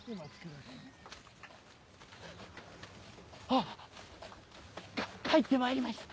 あっ帰ってまいりました